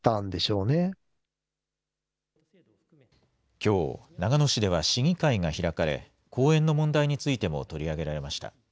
きょう、長野市では市議会が開かれ、公園の問題についても取り上げられました。